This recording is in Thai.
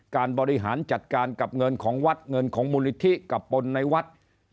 การบริหารจัดการกับเงินของวัดเงินของมูลนิธิกับปนในวัด